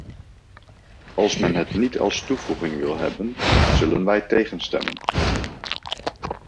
Als men het niet als toevoeging wil hebben, zullen wij tegenstemmen.